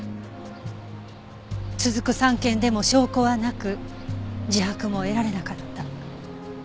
続く３件でも証拠はなく自白も得られなかった。